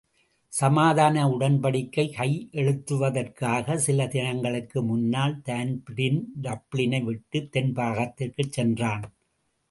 சமாதான உடன்படிக்கை கையெழுத்தாவதற்குச் சில தினங்களுக்கு முன்னால் தான்பிரீன் டப்ளினை விட்டுத் தென்பாகத்திற்குச் சென்றான்.